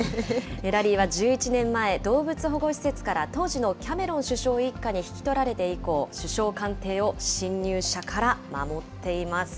ラリーは１１年前、動物保護施設から、当時のキャメロン首相一家に引き取られて以降、首相官邸を侵入者から守っています。